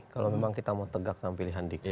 kalau memang kita mau tegak sama pilihan diksi